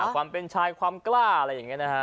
ความเป็นชายความกล้าอะไรอย่างนี้นะฮะ